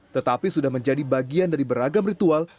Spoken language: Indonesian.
tetapi sudah menjadi bagian dari beragam ritual